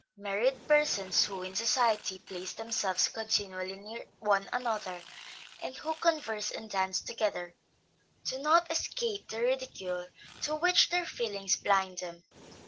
Married persons who, in society, place themselves continually near one another, and who converse and dance together, do not escape the ridicule to which their feelings blind them.